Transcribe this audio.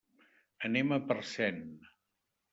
Anem a Parcent.